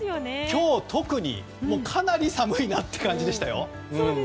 今日特にかなり寒いなという感じでした。